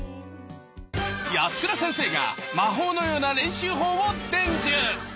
安倉先生が魔法のような練習法を伝授！